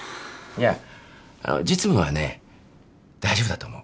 いや実務はね大丈夫だと思う。